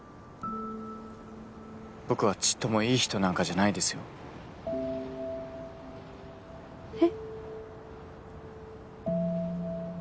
僕はちっともいい人なんかじゃないですよ。え？